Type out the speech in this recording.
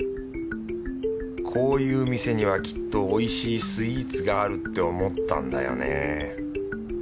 こういう店にはきっとおいしいスイーツがあるって思ったんだよね